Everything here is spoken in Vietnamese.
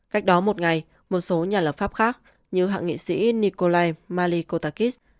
cách đó một ngày một số nhà lập pháp khác như hạ nghị sĩ nikolai malikotakis